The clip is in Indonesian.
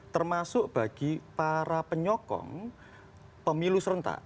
termasuk bagi para penyokong pemilu serentak